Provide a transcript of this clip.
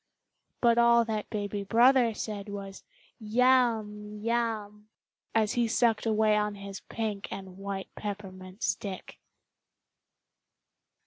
But all that baby brother said was "Yum! Yum!" as he sucked away on his pink and white peppermint stick!